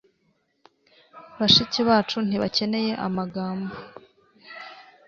bashiki bacu ntibakeneye amagambo